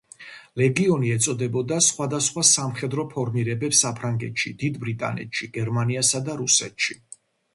ლეგიონი ეწოდებოდა სხვადასხვა სამხედრო ფორმირებებს საფრანგეთში, დიდ ბრიტანეთში, გერმანიასა და რუსეთში.